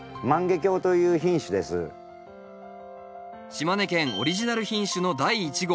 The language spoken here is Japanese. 島根県オリジナル品種の第一号